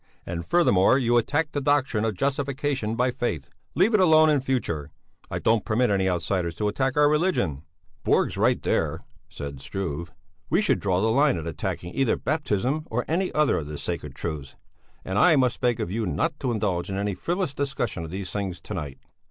And furthermore you attacked the doctrine of justification by faith. Leave it alone in future; I don't permit any outsiders to attack our religion." "Borg's right there," said Struve; "we should draw the line at attacking either baptism or any other of the sacred truths; and I must beg of you not to indulge in any frivolous discussion of these things to night."